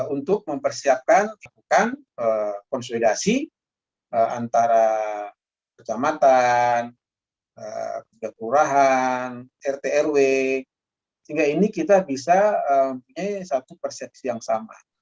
untuk mempersiapkan konsolidasi antara kejamatan kegagurahan rtrw sehingga ini kita bisa punya satu persepsi yang sama